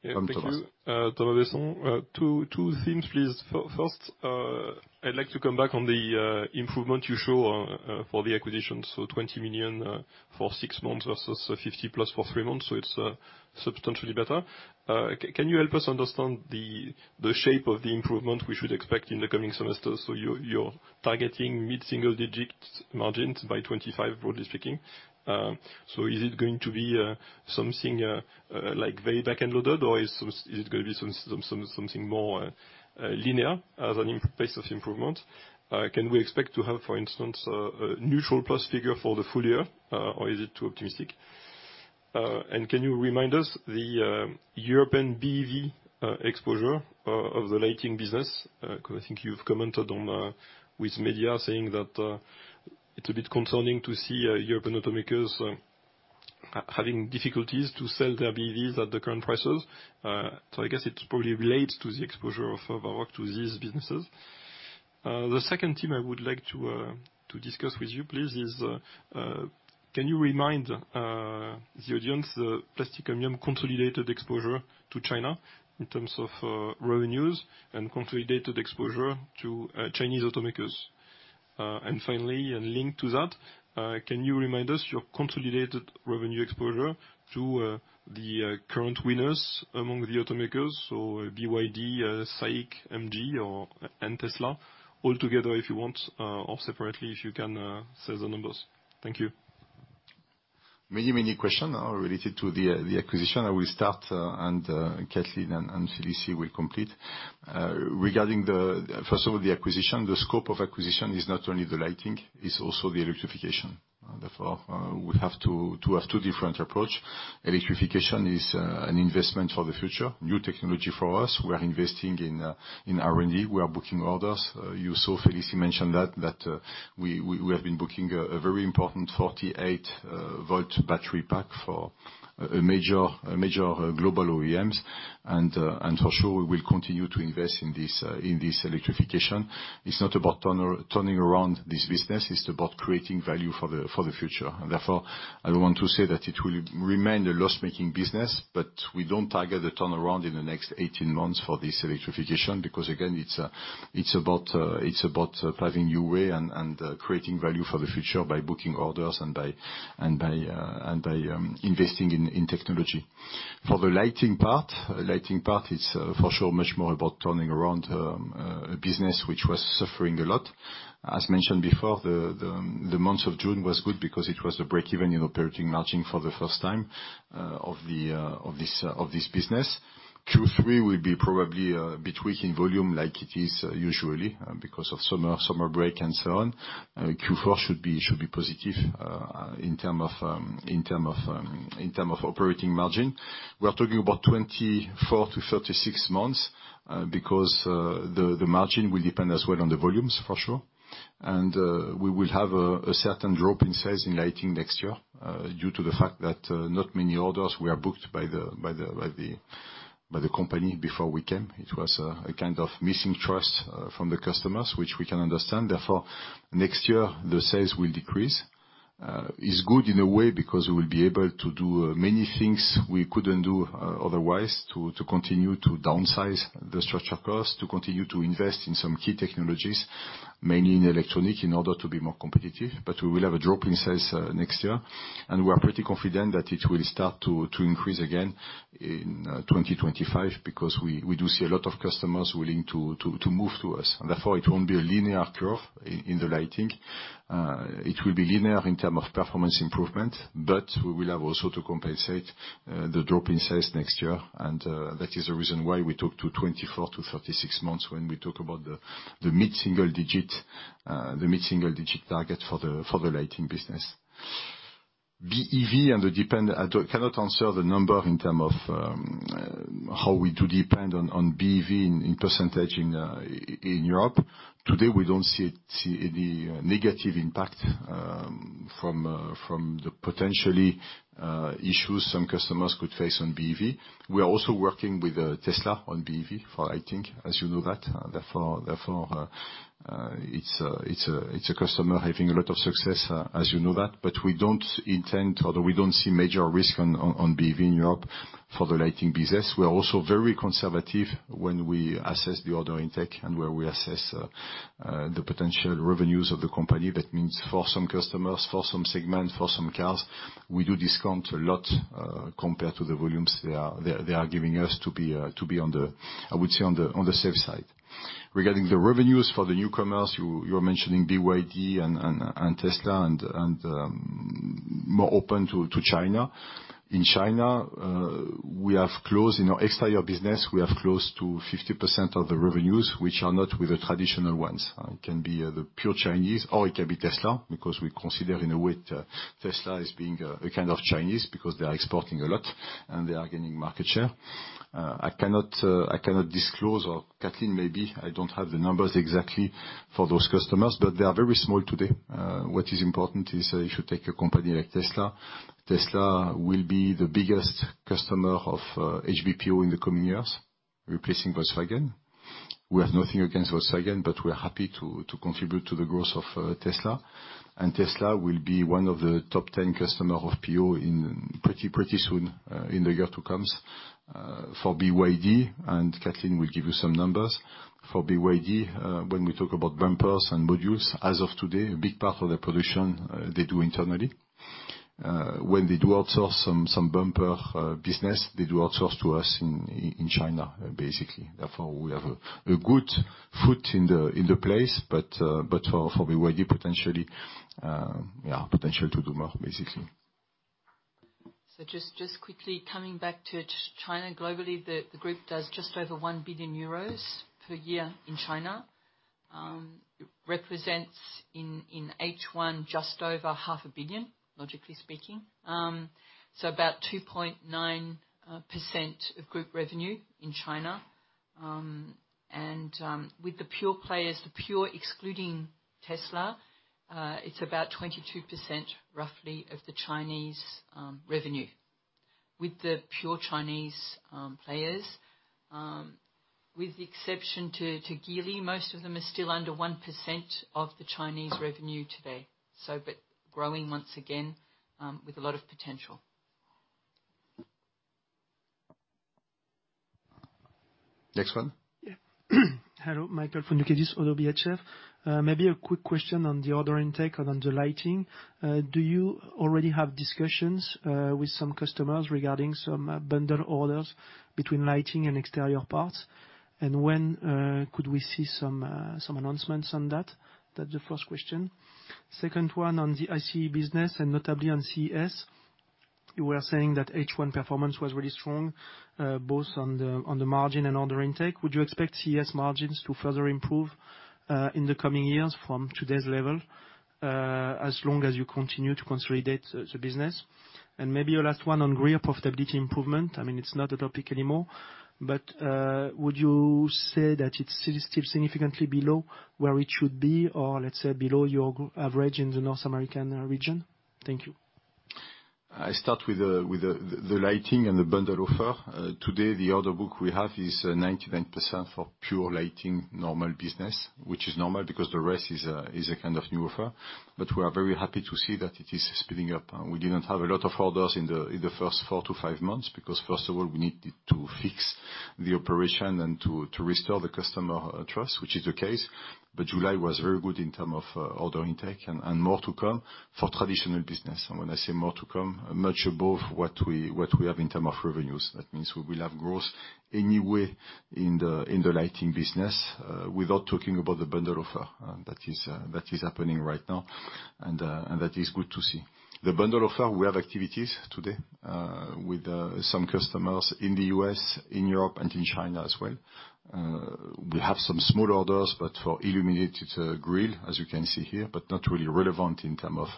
from Thomas. Thank you. Thomas Besson. Two things, please. First, I'd like to come back on the improvement you show for the acquisition. 20 million for 6 months versus 50+ million for 3 months, so it's substantially better. Can you help us understand the shape of the improvement we should expect in the coming semesters? You're targeting mid-single digit margins by 2025, broadly speaking. Is it going to be something like very back-end loaded, or is it gonna be something more linear as a pace of improvement? Can we expect to have, for instance, a neutral plus figure for the full year, or is it too optimistic? Can you remind us the European BEV exposure of the lighting business? I think you've commented on with media, saying that it's a bit concerning to see European automakers having difficulties to sell their BEVs at the current prices. I guess it probably relates to the exposure of our, to these businesses. The second thing I would like to discuss with you, please, is, can you remind the audience, the Plastic Omnium consolidated exposure to China in terms of revenues and consolidated exposure to Chinese automakers? Finally, and linked to that, can you remind us your consolidated revenue exposure to the current winners among the automakers, so BYD, SAIC, MG, or, and Tesla, all together, if you want, or separately, if you can, say the numbers. Thank you. Many question are related to the acquisition. I will start, and Kathleen and Felicie will complete. First of all, the acquisition, the scope of acquisition is not only the lighting, it's also the electrification. We have to have two different approach. Electrification is an investment for the future, new technology for us. We are investing in R&D. We are booking orders. You saw Felicie mention that we have been booking a very important 48-volt battery pack for a major global OEMs, and for sure, we will continue to invest in this electrification. It's not about turning around this business, it's about creating value for the future. Therefore, I want to say that it will remain a loss-making business, but we don't target a turnaround in the next 18 months for this electrification, because again, it's about, it's about paving new way and creating value for the future by booking orders and by and by investing in technology. For the lighting part, lighting part is for sure, much more about turning around a business which was suffering a lot. As mentioned before, the month of June was good because it was a break even in operating margin for the first time of this business. Q3 will be probably bit weak in volume, like it is usually, because of summer break and so on. Q4 should be positive in terms of operating margin. We are talking about 24 to 36 months because the margin will depend as well on the volumes, for sure. We will have a certain drop in sales in lighting next year due to the fact that not many orders were booked by the company before we came. It was a kind of missing trust from the customers, which we can understand. Therefore, next year, the sales will decrease. It's good in a way, because we will be able to do many things we couldn't do otherwise, to continue to downsize the structural cost, to continue to invest in some key technologies, mainly in electronic, in order to be more competitive. We will have a drop in sales next year, and we are pretty confident that it will start to increase again in 2025, because we do see a lot of customers willing to move to us, and therefore it won't be a linear curve in the lighting. It will be linear in term of performance improvement, but we will have also to compensate the drop in sales next year. That is the reason why we talk to 24-36 months when we talk about the mid-single digit target for the lighting business. BEV. I do cannot answer the number in term of how we do depend on BEV in percentage in Europe. Today, we don't see it, any negative impact from the potentially issues some customers could face on BEV. We are also working with Tesla on BEV for lighting, as you know that. Therefore, it's a customer having a lot of success, as you know that, but we don't intend or we don't see major risk on BEV in Europe for the lighting business. We are also very conservative when we assess the order intake and where we assess the potential revenues of the company. That means for some customers, for some segments, for some cars, we do discount a lot compared to the volumes they are giving us to be on the, I would say, on the safe side. Regarding the revenues for the newcomers, you're mentioning BYD and Tesla and more open to China. In China, we have close, in our exterior business, we have close to 50% of the revenues, which are not with the traditional ones. It can be, the pure Chinese, or it can be Tesla, because we consider in a way, Tesla as being, a kind of Chinese because they are exporting a lot, and they are gaining market share. I cannot, I cannot disclose, or Kathleen maybe, I don't have the numbers exactly for those customers, but they are very small today. What is important is if you take a company like Tesla will be the biggest customer of, HBPO in the coming years, replacing Volkswagen. We have nothing against Volkswagen, but we are happy to contribute to the growth of, Tesla. Tesla will be one of the top 10 customer of PO in pretty soon, in the year to comes. For BYD, and Kathleen will give you some numbers. For BYD, when we talk about bumpers and modules, as of today, a big part of their production, they do internally. When they do outsource some bumper business, they do outsource to us in China, basically. We have a good foot in the place, but for BYD, potentially, yeah, potential to do more, basically. Just quickly coming back to China. Globally, the group does just over 1 billion euros per year in China. Represents in H1, just over half a billion, logically speaking. About 2.9% of group revenue in China. With the pure players, the pure excluding Tesla, it's about 22%, roughly, of the Chinese revenue. With the pure Chinese players, with the exception to Geely, most of them are still under 1% of the Chinese revenue today, but growing once again, with a lot of potential. Next one? Yeah, hello, Michael from HSBC. Maybe a quick question on the order intake and on the lighting. Do you already have discussions with some customers regarding some bundle orders between lighting and exterior parts? When could we see some announcements on that? That's the first question. Second one, on the ICE business, notably on CES, you were saying that H1 performance was really strong, both on the margin and order intake. Would you expect CES margins to further improve in the coming years from today's level, as long as you continue to consolidate the business? Maybe a last one on group profitability improvement. I mean, it's not a topic anymore, but would you say that it's still significantly below where it should be, or let's say, below your average in the North American region? Thank you. I start with the lighting and the bundle offer. Today, the order book we have is 99% for pure lighting normal business, which is normal because the rest is a kind of new offer. We are very happy to see that it is speeding up. We didn't have a lot of orders in the first 4-5 months, because, first of all, we needed to fix the operation and to restore the customer trust, which is the case. July was very good in term of order intake, more to come for traditional business. When I say more to come, much above what we have in term of revenues. That means we will have growth anyway in the lighting business without talking about the bundle offer. That is happening right now, and that is good to see. The bundle offer, we have activities today, with some customers in the U.S., in Europe, and in China as well. We have some small orders, but for illuminated grille, as you can see here, but not really relevant in term of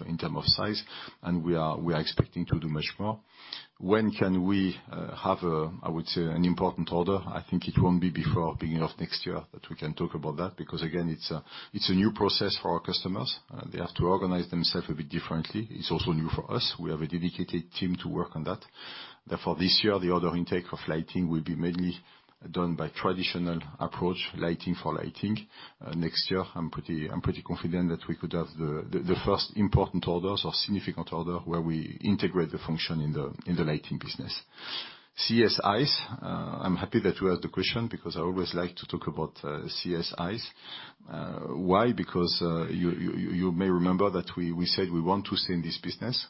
size, and we are expecting to do much more. When can we have a, I would say, an important order? I think it won't be before beginning of next year that we can talk about that, because again, it's a new process for our customers. They have to organize themselves a bit differently. It's also new for us. We have a dedicated team to work on that. This year, the order intake of lighting will be mainly done by traditional approach, lighting for lighting. Next year, I'm pretty confident that we could have the first important orders or significant order, where we integrate the function in the lighting business. CES ICE, I'm happy that you asked the question because I always like to talk about CES ICE. Why? Because you may remember that we said we want to stay in this business.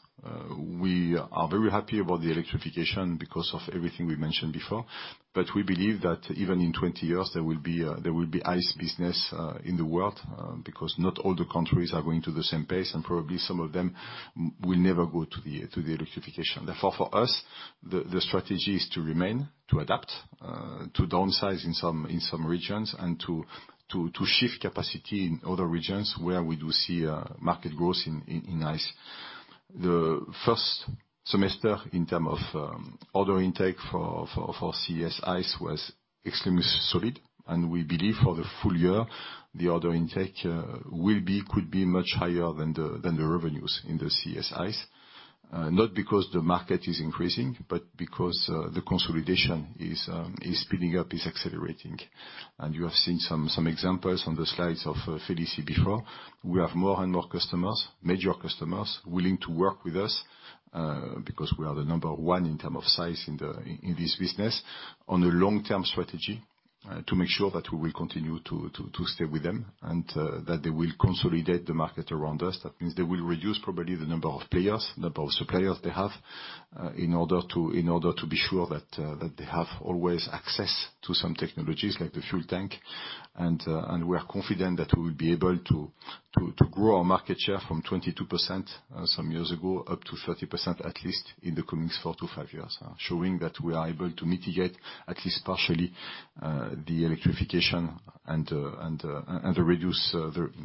We are very happy about the electrification because of everything we mentioned before, but we believe that even in 20 years, there will be ICE business in the world because not all the countries are going to the same pace, and probably some of them will never go to the electrification. Therefore, for us, the strategy is to remain, to adapt, to downsize in some regions and to shift capacity in other regions where we do see market growth in ICE. The first semester in term of order intake for CES ICE was extremely solid. We believe for the full year, the order intake will be, could be much higher than the revenues in the CES ICE. Not because the market is increasing, but because the consolidation is speeding up, is accelerating. You have seen some examples on the slides of Felicie before. We have more and more customers, major customers, willing to work with us, because we are the number one in terms of size in this business, on a long-term strategy, to make sure that we will continue to stay with them, and that they will consolidate the market around us. That means they will reduce probably the number of players, number of suppliers they have, in order to be sure that they have always access to some technologies like the fuel tank. We are confident that we will be able to grow our market share from 22%, some years ago, up to 30%, at least in the coming four to five years. Showing that we are able to mitigate, at least partially, the electrification and reduce,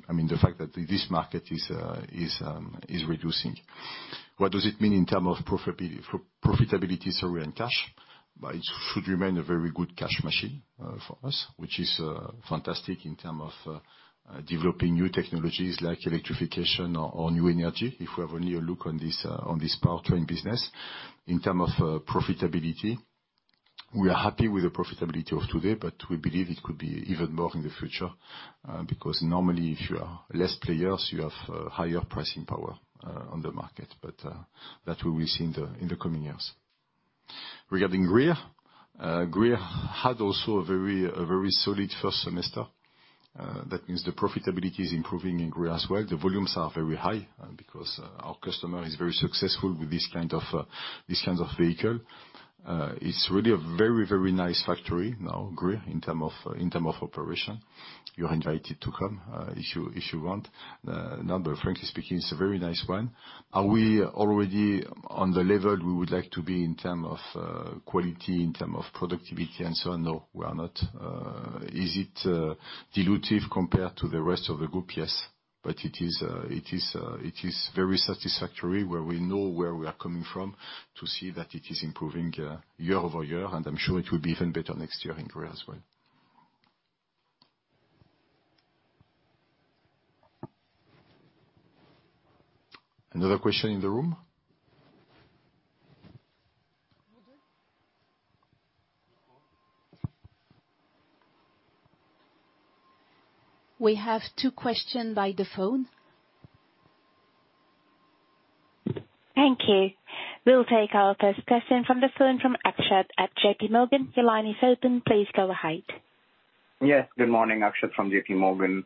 I mean, the fact that this market is reducing. What does it mean in terms of profitability, sorry, and cash? It should remain a very good cash machine for us, which is fantastic in terms of developing new technologies like electrification or new energy. If we have only a look on this powertrain business, in terms of profitability, we are happy with the profitability of today, but we believe it could be even more in the future because normally, if you are less players, you have higher pricing power on the market. That we will see in the coming years. Regarding Greer. Greer had also a very solid first semester. That means the profitability is improving in Greer as well. The volumes are very high, because our customer is very successful with this kinds of vehicle. It's really a very nice factory now, Greer, in term of operation. You're invited to come, if you want. Frankly speaking, it's a very nice one. Are we already on the level we would like to be in term of quality, in term of productivity, and so on? No, we are not. Is it dilutive compared to the rest of the group? It is very satisfactory, where we know where we are coming from, to see that it is improving, year-over-year, and I'm sure it will be even better next year in Greer as well. Another question in the room? We have 2 question by the phone. Thank you. We'll take our first question from the phone from Akshat at J.P. Morgan. Your line is open. Please go ahead. Yes, good morning. Akshat Kacker from J.P. Morgan.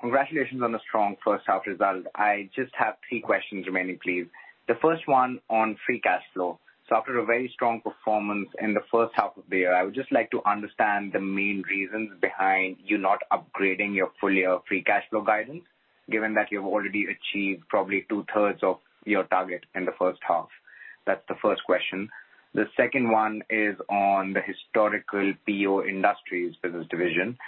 Congratulations on the strong first half result. I just have 3 questions remaining, please. The first one on free cash flow. After a very strong performance in the first half of the year, I would just like to understand the main reasons behind you not upgrading your full year free cash flow guidance, given that you've already achieved probably 2/3 of your target in the first half. That's the first question. The second one is on the historical PO Industries business division.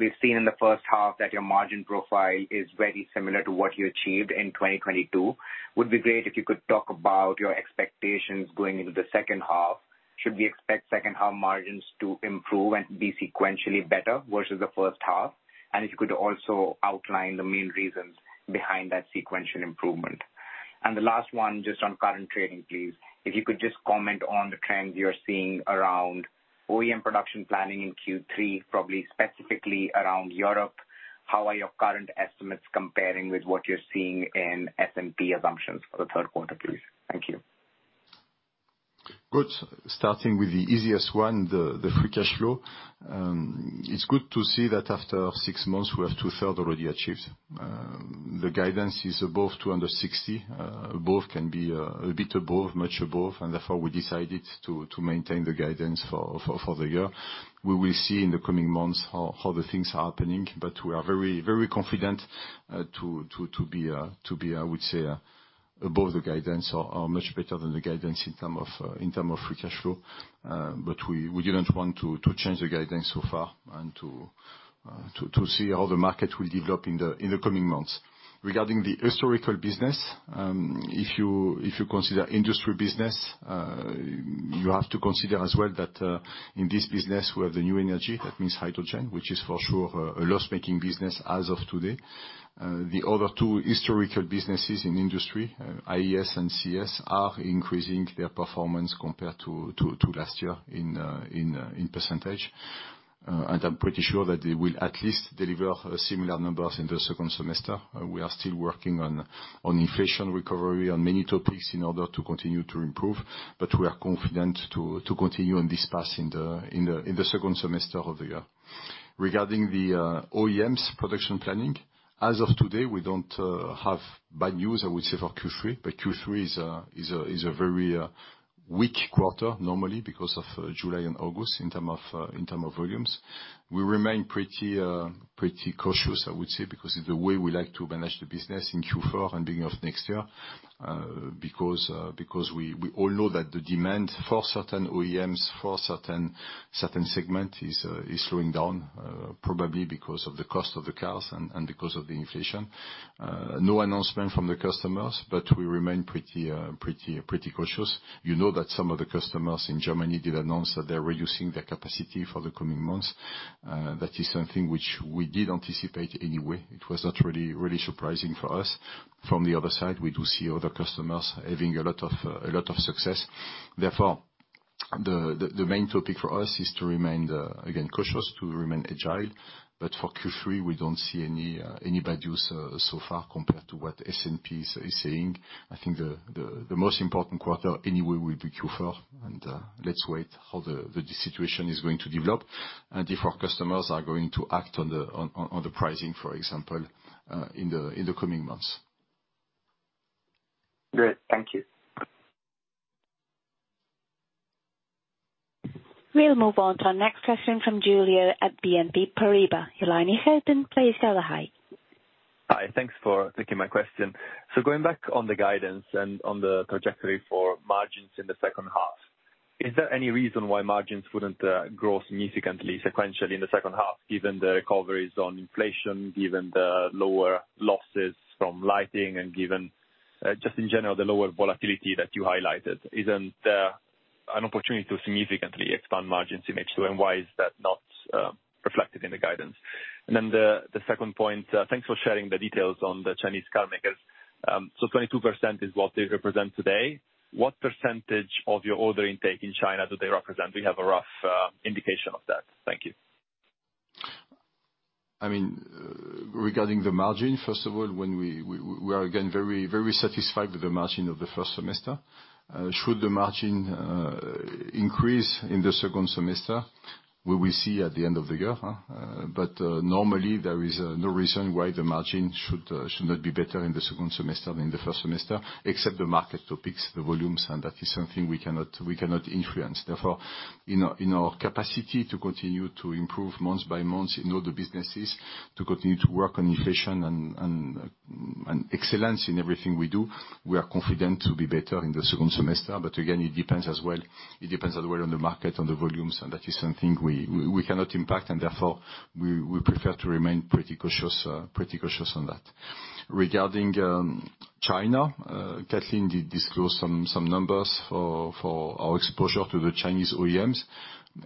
We've seen in the first half that your margin profile is very similar to what you achieved in 2022. Would be great if you could talk about your expectations going into the second half. Should we expect second half margins to improve and be sequentially better versus the first half? If you could also outline the main reasons behind that sequential improvement. The last one, just on current trading, please. If you could just comment on the trends you're seeing around OEM production planning in Q3, probably specifically around Europe. How are your current estimates comparing with what you're seeing in S&P assumptions for the Q3, please? Thank you. Good. Starting with the easiest one, the free cash flow. It's good to see that after six months, we have two-third already achieved. The guidance is above 260. Above can be a bit above, much above, and therefore, we decided to maintain the guidance for the year. We will see in the coming months how the things are happening, but we are very confident to be, I would say, above the guidance or much better than the guidance in term of free cash flow. We didn't want to change the guidance so far and to see how the market will develop in the coming months. Regarding the historical business, if you consider industry business, you have to consider as well that in this business, we have the new energy, that means hydrogen, which is for sure a loss-making business as of today. The other 2 historical businesses in industry, IES and CES, are increasing their performance compared to last year in %. I'm pretty sure that they will at least deliver similar numbers in the second semester. We are still working on inflation recovery, on many topics, in order to continue to improve, but we are confident to continue on this path in the second semester of the year. Regarding the OEMs production planning, as of today, we don't have bad news, I would say, for Q3, but Q3 is a very weak quarter, normally, because of July and August in terms of volumes. We remain pretty cautious, I would say, because it's the way we like to manage the business in Q4 and beginning of next year. Because we all know that the demand for certain OEMs, for certain segment is slowing down, probably because of the cost of the cars and because of the inflation. No announcement from the customers, but we remain pretty cautious. You know that some of the customers in Germany did announce that they're reducing their capacity for the coming months. That is something which we did anticipate anyway. It was not really surprising for us. From the other side, we do see other customers having a lot of a lot of success. Therefore, the main topic for us is to remain again, cautious, to remain agile. For Q3, we don't see any any bad news so far, compared to what S&P is saying. I think the most important quarter anyway, will be Q4. Let's wait how the situation is going to develop, and if our customers are going to act on the pricing, for example, in the coming months. Great. Thank you. We'll move on to our next question from Giulio at BNP Paribas. Your line is open. Please tell hi. Hi. Thanks for taking my question. Going back on the guidance and on the trajectory for margins in the second half, is there any reason why margins wouldn't grow significantly sequentially in the second half, given the recoveries on inflation, given the lower losses from lighting, and given just in general, the lower volatility that you highlighted? Isn't an opportunity to significantly expand margins in H2, and why is that not reflected in the guidance? The second point, thanks for sharing the details on the Chinese car makers. So 22% is what they represent today. What percentage of your order intake in China do they represent? Do you have a rough indication of that? Thank you. I mean, regarding the margin, first of all, when we are again, very, very satisfied with the margin of the first semester. Should the margin increase in the second semester, we will see at the end of the year, huh? Normally, there is no reason why the margin should not be better in the second semester than the first semester, except the market topics, the volumes, and that is something we cannot influence. Therefore, in our capacity to continue to improve month by month in all the businesses, to continue to work on inflation and excellence in everything we do, we are confident to be better in the second semester. Again, it depends as well... It depends as well on the market, on the volumes, and that is something we cannot impact, and therefore we prefer to remain pretty cautious on that. Regarding China, Kathleen did disclose some numbers for our exposure to the Chinese OEMs.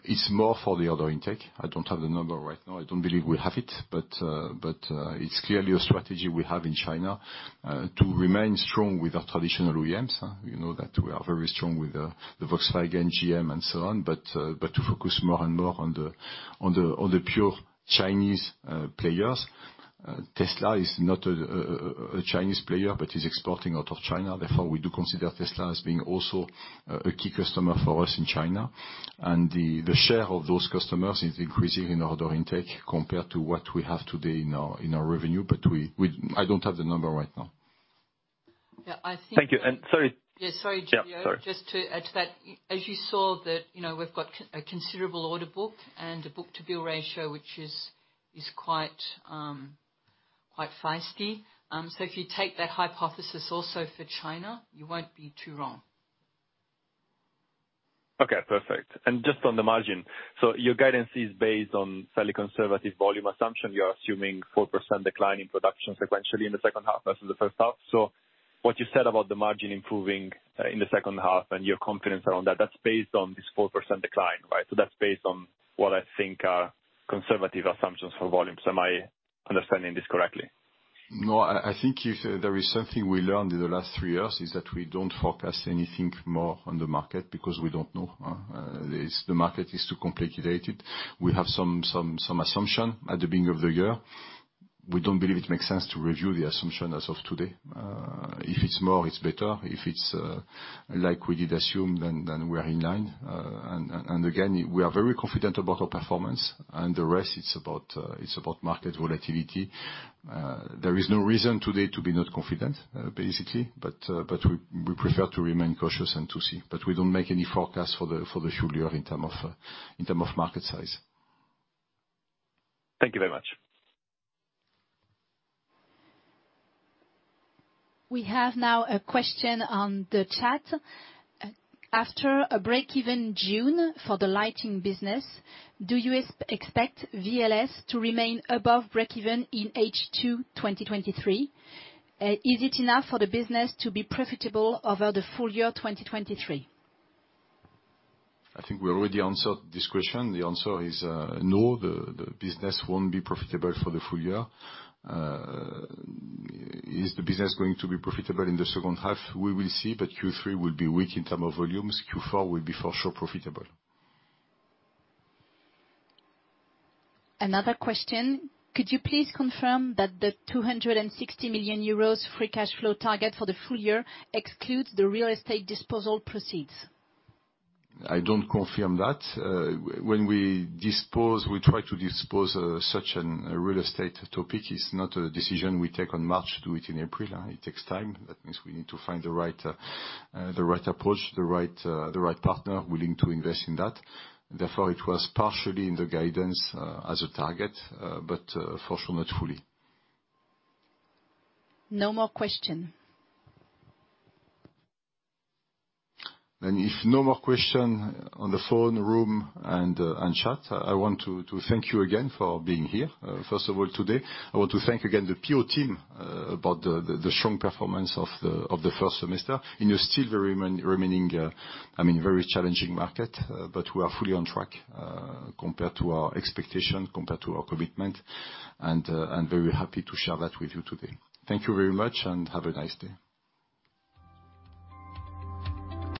It's more for the order intake. I don't have the number right now. I don't believe we have it. It's clearly a strategy we have in China, to remain strong with our traditional OEMs, huh? We know that we are very strong with the Volkswagen, GM, and so on, but to focus more and more on the pure Chinese players. Tesla is not a Chinese player, but is exporting out of China. Therefore, we do consider Tesla as being also a key customer for us in China. The share of those customers is increasing in order intake compared to what we have today in our revenue. I don't have the number right now. Yeah, I think- Thank you, and sorry. Yeah, sorry, Giulio. Yeah, sorry. Just to add to that, as you saw, that, you know, we've got a considerable order book and a book-to-bill ratio, which is quite feisty. If you take that hypothesis also for China, you won't be too wrong. Okay, perfect. Just on the margin, your guidance is based on fairly conservative volume assumption. You are assuming 4% decline in production sequentially in the second half versus the first half. What you said about the margin improving in the second half and your confidence around that's based on this 4% decline, right? That's based on what I think are conservative assumptions for volume. Am I understanding this correctly? No, I think if there is something we learned in the last three years, is that we don't forecast anything more on the market because we don't know, huh? The market is too complicated. We have some assumption at the beginning of the year. We don't believe it makes sense to review the assumption as of today. If it's more, it's better. If it's like we did assume, then we are in line. Again, we are very confident about our performance, and the rest is about market volatility. There is no reason today to be not confident, basically, but we prefer to remain cautious and to see, but we don't make any forecast for the full year in term of in term of market size. Thank you very much. We have now a question on the chat. After a break-even June for the lighting business, do you expect VLS to remain above break-even in H2 2023? Is it enough for the business to be profitable over the full year 2023? I think we already answered this question. The answer is, no, the business won't be profitable for the full year. Is the business going to be profitable in the second half? We will see. Q3 will be weak in term of volumes. Q4 will be, for sure, profitable. Another question: Could you please confirm that the 260 million euros free cash flow target for the full year excludes the real estate disposal proceeds? I don't confirm that. When we dispose, we try to dispose such an real estate topic. It's not a decision we take on March, do it in April. It takes time. That means we need to find the right, the right approach, the right, the right partner willing to invest in that. It was partially in the guidance as a target, but for sure, not fully. No more question. If no more question on the phone, room, and chat, I want to thank you again for being here. First of all, today, I want to thank again the PO team about the strong performance of the first semester in a still very remaining, I mean, very challenging market. We are fully on track compared to our expectation, compared to our commitment, and very happy to share that with you today. Thank you very much. Have a nice day.